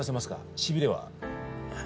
しびれは？